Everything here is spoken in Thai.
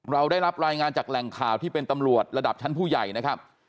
เราได้รับรายงานจากแหล่งข่าวที่เป็นตำรวจระดับชั้นผู้ใหญ่นะครับ